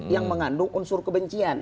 yang mengandung unsur kebencian